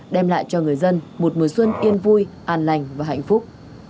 đem lại cho người dân một mùa xuân yên vui an lành và hạnh phúc